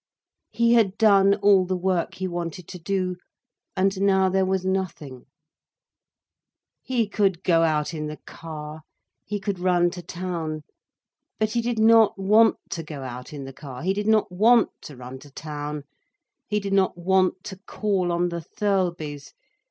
He had done all the work he wanted to do—and now there was nothing. He could go out in the car, he could run to town. But he did not want to go out in the car, he did not want to run to town, he did not want to call on the Thirlbys.